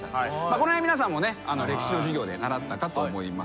この辺皆さん歴史の授業で習ったかと思います。